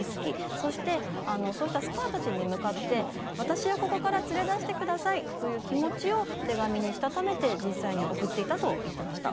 そしてあのそうしたスターたちに向かって「私をここから連れ出してください」という気持ちを手紙にしたためて実際に送っていたと言ってました。